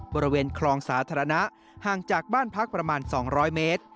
บริเวณคลองสาธารณะห่างจากบ้านพักประมาณ๒๐๐เมตร